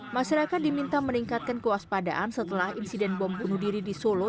masyarakat diminta meningkatkan kewaspadaan setelah insiden bom bunuh diri di solo